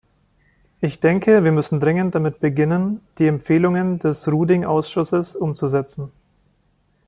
Ich denke, wir müssen dringend damit beginnen, die Empfehlungen des Ruding-Ausschusses umzusetzen.